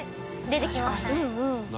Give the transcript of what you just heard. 出てきましたね。